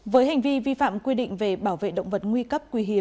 với hành vi vi phạm quy định về bảo vệ động vật nguy cấp